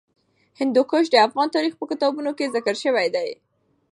هندوکش د افغان تاریخ په کتابونو کې ذکر شوی دي.